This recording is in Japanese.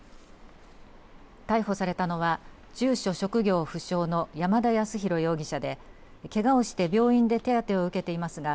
逮捕されたのは住所職業不詳の山田康裕容疑者でけがをして病院で手当を受けていますが